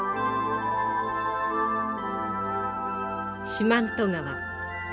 四万十川。